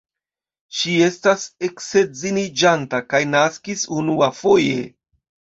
Ŝi estas eksedziniĝanta kaj naskis unuafoje.